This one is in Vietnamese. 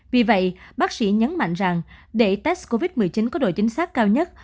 vì vậy bác sĩ nhấn mạnh rằng để test covid một mươi chín có độ chính xác cao nhất